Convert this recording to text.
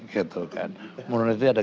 gitu kan menurut itu ada